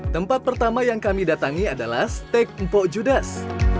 tempat pertama yang kami datangi adalah steak mpok judas